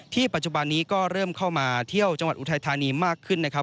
ปัจจุบันนี้ก็เริ่มเข้ามาเที่ยวจังหวัดอุทัยธานีมากขึ้นนะครับ